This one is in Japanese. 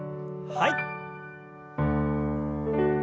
はい。